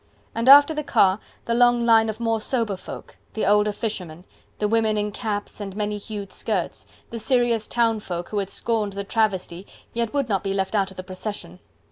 And after the car the long line of more sober folk, the older fishermen, the women in caps and many hued skirts, the serious townfolk who had scorned the travesty, yet would not be left out of the procession.